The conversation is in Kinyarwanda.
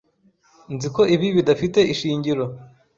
Nzi ko ibi bidafite ishingiro.